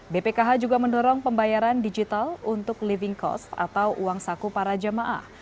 bpkh juga mendorong pembayaran digital untuk living cost atau uang saku para jemaah